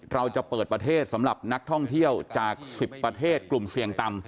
เราจะเปิดประเทศสำหรับนักท่องเที่ยวจาก๑๐ประเทศกลุ่มเสี่ยงต่ำ